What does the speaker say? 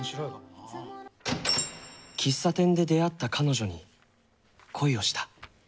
喫茶店で出会った彼女に恋をした。